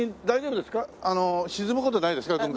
大丈夫ですか。